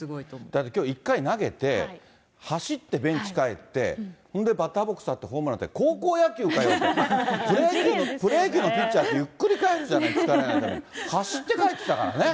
だってきょう、１回投げて、走ってベンチ帰って、ほんで、バッターボックス立って、ホームラン打ってって、高校野球かよって、プロ野球のピッチャーってゆっくり帰るじゃない、疲れるから、走って帰ってきたからね。